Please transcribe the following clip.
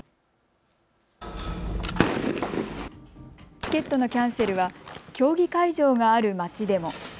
チケットのキャンセルは競技会場がある町でも。